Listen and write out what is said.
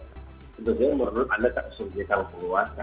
sebenarnya menurut anda tak bisa menjadi seorang penguasa